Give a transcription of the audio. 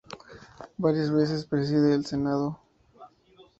Varias veces preside el Senado.